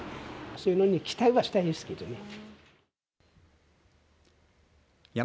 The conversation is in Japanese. そういうのに期待はしたいですけどね。